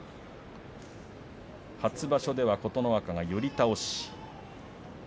初場所では琴ノ若が寄り倒し。